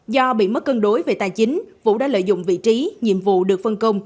do bị mất cân đối về tài chính vũ đã lợi dụng vị trí nhiệm vụ được phân công